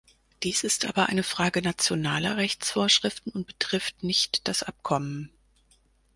Dies ist aber eine Frage nationaler Rechtsvorschriften und betrifft nicht das Abkommen.